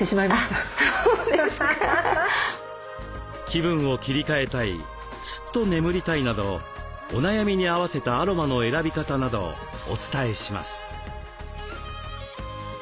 気分を切り替えたいすっと眠りたいなどお悩みに合わせたアロマの選び方などお伝えします。